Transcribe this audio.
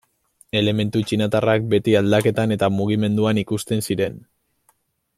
Elementu txinatarrak beti aldaketan eta mugimenduan ikusten ziren.